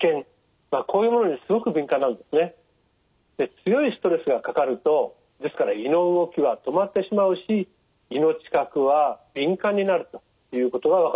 強いストレスがかかるとですから胃の動きは止まってしまうし胃の知覚は敏感になるということが分かっています。